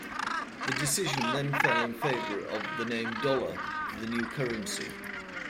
The decision then fell in favour of the name 'dollar' for the new currency.